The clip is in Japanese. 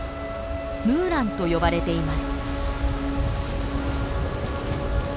ムーランと呼ばれています。